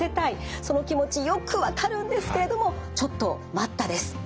その気持ちよく分かるんですけれどもちょっと待った！です。